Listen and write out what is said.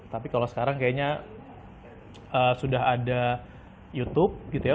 tapi kalau sekarang kayaknya sudah ada youtube gitu ya